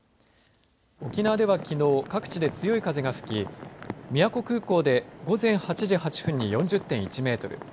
沖縄ではきのう各地で強い風が吹き宮古空港で午前８時８分に４０．１メートル